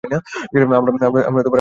আমরা আপনার সাথে আছি!